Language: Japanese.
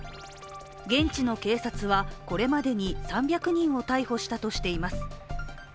現地の警察はこれまでに３００人を逮捕したとしています。